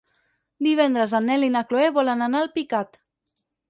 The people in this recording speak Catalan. Divendres en Nel i na Chloé volen anar a Alpicat.